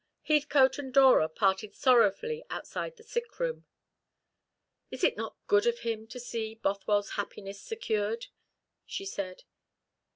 Heathcote and Dora parted sorrowfully outside the sick room. "Is it not good of him to wish to see Bothwell's happiness secured?" she said.